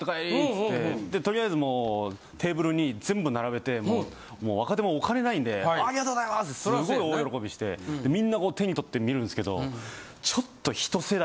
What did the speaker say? とりあえずもうテーブルに全部並べて若手もお金ないんで「ありがとうございます！」ってすごい大喜びしてみんな手に取って見るんすけど。